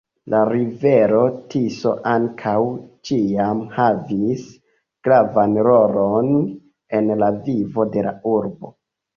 La rivero Tiso ankaŭ ĉiam havis gravan rolon en la vivo de la urbo.